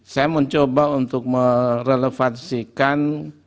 saya mencoba untuk merelevansikan